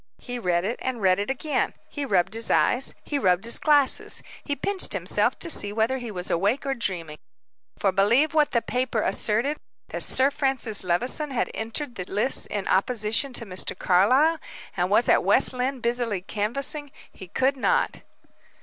He read it, and read it again; he rubbed his eyes, he rubbed his glasses, he pinched himself, to see whether he was awake or dreaming. For believe what that paper asserted that Sir Francis Levison had entered the lists in opposition to Mr. Carlyle, and was at West Lynne, busily canvassing he could not.